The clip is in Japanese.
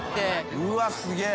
うわっすげぇ！